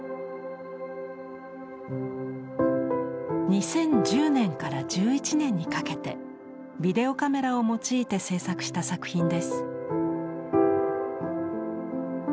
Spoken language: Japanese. ２０１０年から１１年にかけてビデオカメラを用いて制作した作品です。